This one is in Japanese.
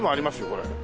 これ。